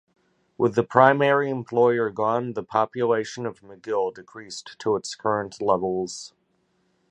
With the primary employer gone, the population of McGill decreased to its current levels.